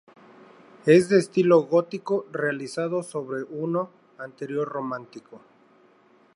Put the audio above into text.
Es de estilo gótico realizado sobre uno anterior románico.